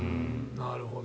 なるほど。